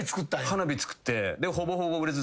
花火作って。